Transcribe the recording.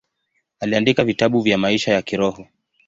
Aliandika vitabu vya maisha ya kiroho.